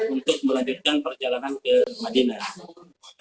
untuk melanjutkan perjalanan ke madinah